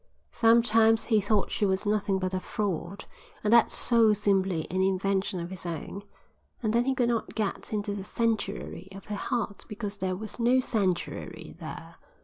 Sometimes he thought she was nothing but a fraud, and that soul simply an invention of his own, and that he could not get into the sanctuary of her heart because there was no sanctuary there.